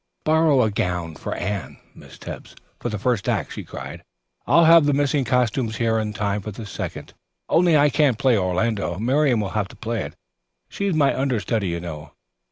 "Borrow a gown for Anne, Miss Tebbs, for the first act," she cried. "I'll have the missing costumes here in time for the second. Only I can't play Orlando. Miriam will have to play it; she's my understudy, you know.